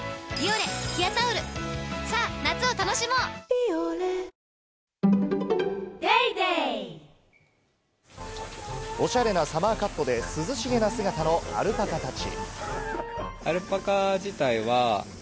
「ビオレ」おしゃれなサマーカットで涼しげな姿のアルパカたち。